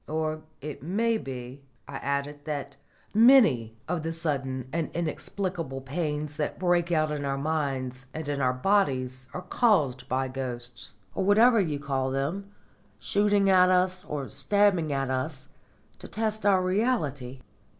"Or it may be," I added, "that many of the sudden and inexplicable pains that break out in our minds and in our bodies are caused by ghosts, or whatever you call them, shooting at us, or stabbing us, to test our reality."